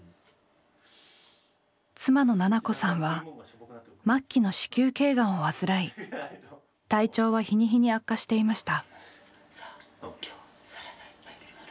妻の奈々子さんは末期の子宮頸がんを患い体調は日に日に悪化していました。